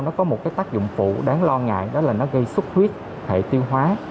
nó có một cái tác dụng phụ đáng lo ngại đó là nó gây xuất huyết hệ tiêu hóa